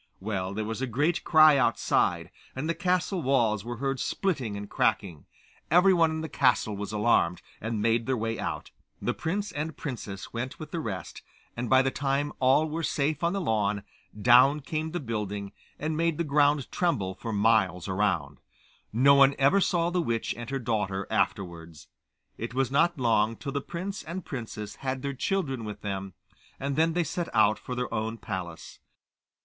Well, there was a great cry outside, and the castle walls were heard splitting and cracking. Everyone in the castle was alarmed, and made their way out. The prince and princess went with the rest, and by the time all were safe on the lawn, down came the building, and made the ground tremble for miles round. No one ever saw the witch and her daughter afterwards. It was not long till the prince and princess had their children with them, and then they set out for their own palace.